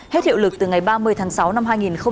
hết hiệu lực từ ngày ba mươi tháng sáu năm hai nghìn hai mươi